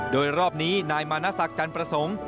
โดยรอบนี้นายมานัศกจันทร์ประสงค์